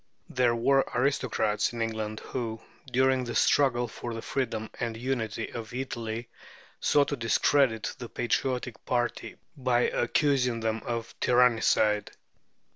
There were aristocrats in England, who, during the struggle for the freedom and unity of Italy, sought to discredit the patriotic party by accusing them of tyrannicide.